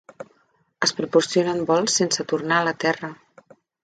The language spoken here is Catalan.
Es proporcionen vols sense tornar a la Terra.